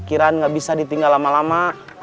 parkiran gak bisa ditinggal lama lama